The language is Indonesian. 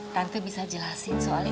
tante bisa jelasin soal ini